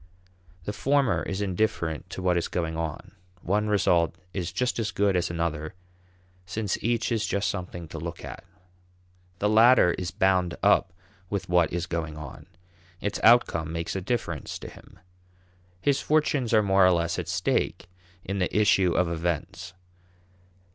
The former is indifferent to what is going on; one result is just as good as another, since each is just something to look at. The latter is bound up with what is going on; its outcome makes a difference to him. His fortunes are more or less at stake in the issue of events.